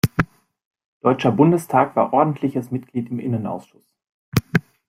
Deutscher Bundestag war Ordentliches Mitglied im Innenausschuss.